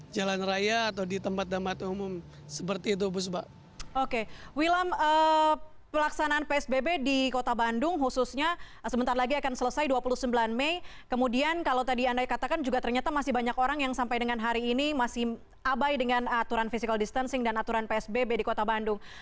jalan asia afrika